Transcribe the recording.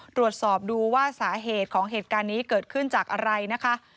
ตรวจสอบดูว่าสาเหตุของเหตุการณ์นี้เกิดขึ้นจากอะไรนะคะ